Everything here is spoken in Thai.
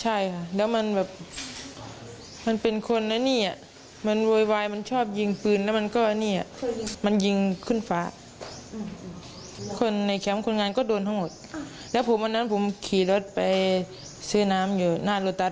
หน้ารูตัดผมกลับมาผมก็โดนต่อย